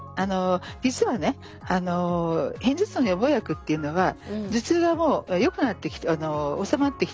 実はねあの片頭痛の予防薬っていうのは頭痛がもうよくなってきて治まってきて。